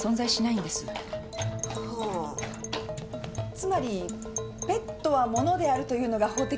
つまりペットは物であるというのが法的な解釈で。